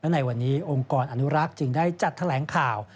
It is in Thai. ในวันนี้องค์กรอนุรักษ์จึงได้จัดแถลงข่าว